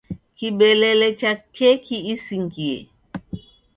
Kibelele cha keki isingie.